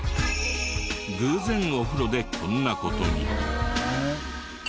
偶然お風呂でこんな事に。